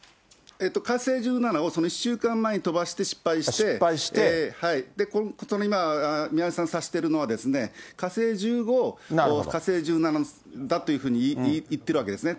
火星１７を１週間前に飛ばして失敗して、その今、宮根さんが指しているのは、火星１５を火星１７だというふうに言ってるわけですね。